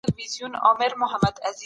سالم ذهن بریالیتوب نه زیانمنوي.